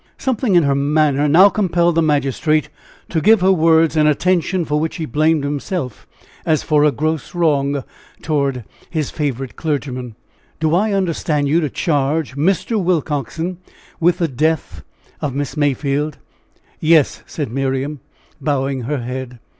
Something in her manner now compelled the magistrate to give her words an attention for which he blamed himself, as for a gross wrong, toward his favorite clergyman. "Do I understand you to charge Mr. Willcoxen with the death of Miss Mayfield?" "Yes," said Miriam, bowing her head.